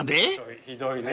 ひどいね。